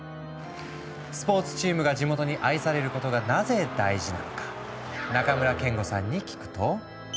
スポーツチームが地元に愛されることがなぜ大事なのか中村憲剛さんに聞くと。